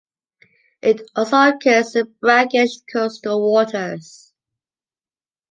It also occurs in brackish coastal waters.